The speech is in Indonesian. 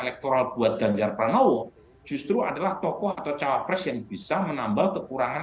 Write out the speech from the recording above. elektoral buat ganjar pranowo justru adalah tokoh atau cawapres yang bisa menambal kekurangan